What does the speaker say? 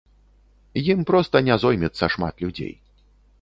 Ім проста не зоймецца шмат людзей.